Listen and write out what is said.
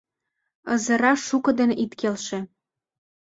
Ызыра шуко ден ит келше.